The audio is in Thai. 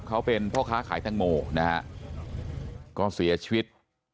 เขาเป็นพ่อค้าขายแตงโมนะฮะก็เสียชีวิต